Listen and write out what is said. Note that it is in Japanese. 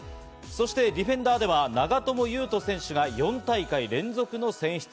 ディフェンダーでは長友佑都選手が４大会連続の選出。